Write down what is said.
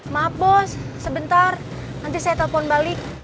maaf bos sebentar nanti saya telepon balik